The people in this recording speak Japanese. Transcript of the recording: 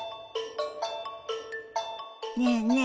ねえねえ